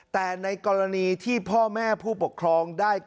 แต่ในกรณีที่พ่อแม่ผู้ปกครองได้